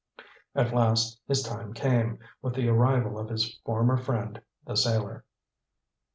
At last his time came, with the arrival of his former friend, the sailor.